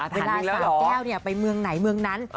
สาวแก้วไปเมืองไหนเมืองนั้น